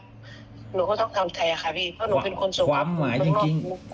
หนูก็ต้องทำแทนค่ะพี่เพราะหนูเป็นคนสุข